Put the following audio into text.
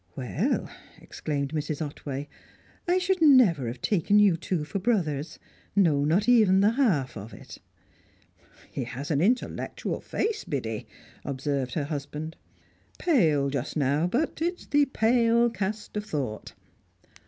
"Well," exclaimed Mrs. Otway, "I should never have taken you two for brothers no, not even the half of it!" "He has an intellectual face, Biddy," observed her husband. "Pale just now, but it's 'the pale cast of thought.'